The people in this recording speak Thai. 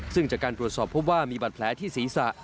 ซึ่งจากการตรวจสอบพบว่ามีบาดแผลที่ศีรษะ